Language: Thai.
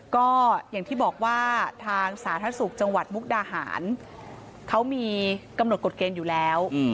ก็อย่างที่บอกว่าทางสาธารณสุขจังหวัดมุกดาหารเขามีกำหนดกฎเกณฑ์อยู่แล้ว